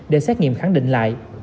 để xét nghiệm khẳng định lại